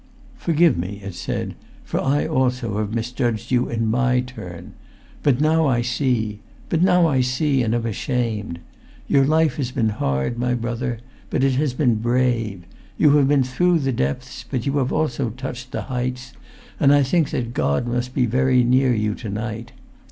"Forgive me," it said, "for I also have misjudged you in my turn. But now I see—but now I see, and am ashamed ... Your life has been hard, my brother, but it has been brave! You have been through the depths, but you have also touched the heights, and I think that God must be very near you to night.